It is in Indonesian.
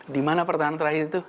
di mana pertahanan terakhir itu